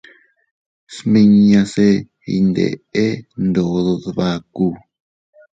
Smiñase iyndeʼe ndodo dbaku.